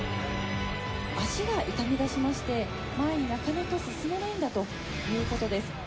足が痛みだしまして、前になかなか進まないんだということです。